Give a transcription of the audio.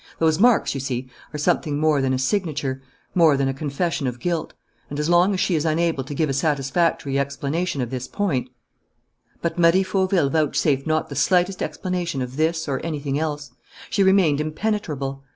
Those marks, you see, are something more than a signature, more than a confession of guilt. And, as long as she is unable to give a satisfactory explanation of this point " But Marie Fauville vouchsafed not the slightest explanation of this or of anything else. She remained impenetrable.